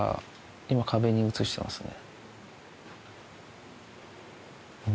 今壁に映してますね。